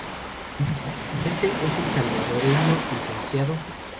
El vicepresidente es el salvadoreño Lic.